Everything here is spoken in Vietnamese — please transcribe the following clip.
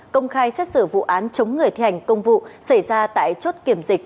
công khai xét xử vụ án chống người thi hành công vụ xảy ra tại chốt kiểm dịch